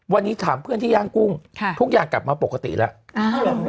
วันนี้ถามเพื่อนที่ย่างกุ้งทุกอย่างกลับมาปกติแล้ว